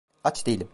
Aç değilim.